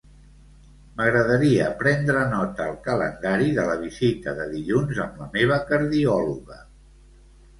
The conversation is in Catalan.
M'agradaria prendre nota al calendari de la visita de dilluns amb la meva cardiòloga.